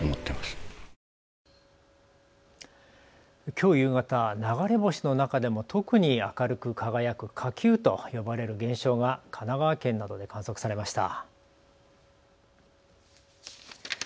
きょう夕方、流れ星の中でも特に明るく輝く火球と呼ばれる現象が神奈川県などで観測されました。